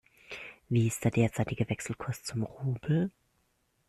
Wie ist der derzeitige Wechselkurs zum Rubel?